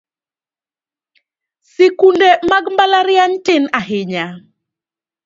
Sikunde mag mbalariany tin ahinya